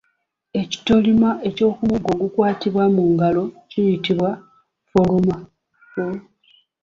Ekitolima ky’okumuggo ogukwatibwa mu ngalo kiyitibwa ffolooma.